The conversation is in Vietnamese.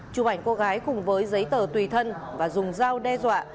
chụp ảnh cô gái cùng với giấy tờ tùy thân và dùng dao đe dọa